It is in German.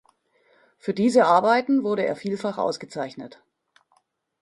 Für diese Arbeiten wurde er vielfach ausgezeichnet.